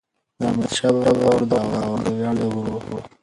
د احمد شاه بابا دور د افغانانو د ویاړ دور و.